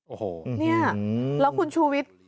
โอ้โหแล้วคุณชูวิทย์